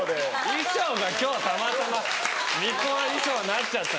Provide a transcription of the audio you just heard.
衣装が今日たまたま巫女衣装になっちゃった。